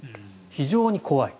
非常に怖い。